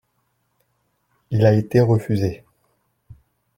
Il a été refusé.